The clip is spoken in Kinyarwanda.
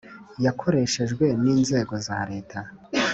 yakoreshejwe n inzego za Leta